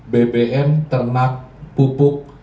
bbm ternak pupuk